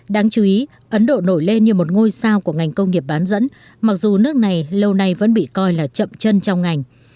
đáng chú ý ấn độ nổi lên như một ngôi sao của ngành công nghiệp bán dẫn mặc dù nước này lâu nay vẫn bị coi là chậm chân trong ngành